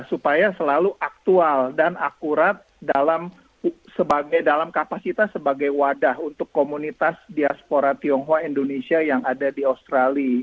supaya selalu aktual dan akurat dalam kapasitas sebagai wadah untuk komunitas diaspora tionghoa indonesia yang ada di australia